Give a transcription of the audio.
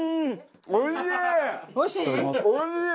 おいしい？